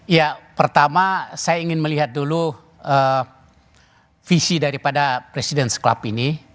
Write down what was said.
ya pertama saya ingin melihat dulu visi daripada presiden club ini